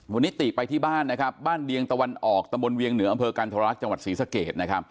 วันนี้ติไปที่บ้านนะครับบ้านเวียงตะวันออกตะบนเวียงเหนืออำเภอกันธรรคจังหวัดศรีสะเกดนะครับ